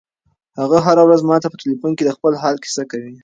هغه هره ورځ ماته په ټیلیفون کې د خپل حال کیسه کوي.